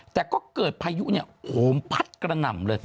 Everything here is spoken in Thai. แต่ก็เกิดพายุเนี่ยโหมพัดกระหน่ำเลย